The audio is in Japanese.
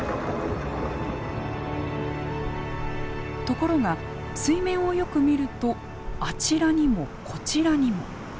ところが水面をよく見るとあちらにもこちらにも。